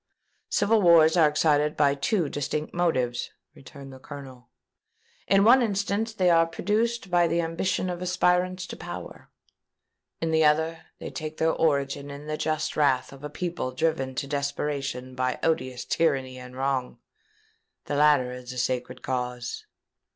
"Civil wars are excited by two distinct motives," returned the Colonel. "In one instance they are produced by the ambition of aspirants to power: in the other, they take their origin in the just wrath of a people driven to desperation by odious tyranny and wrong. The latter is a sacred cause."